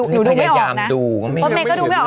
นี่เราดูหนูดูไม่ออกนะ